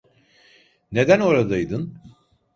Neden oradaydın?